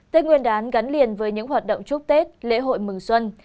tết nguyên đán gắn liền với những hoạt động chúc tết lễ hội mừng xuân